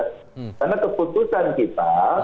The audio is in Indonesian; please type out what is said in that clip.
karena keputusan kita